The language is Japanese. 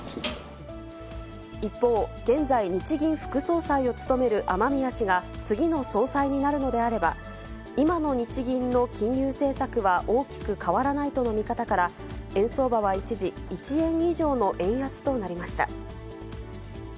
一方、現在、日銀副総裁を務める雨宮氏が、次の総裁になるのであれば、今の日銀の金融政策は大きく変わらないとの見方から、円相場は一時、１円以上の円安となりました。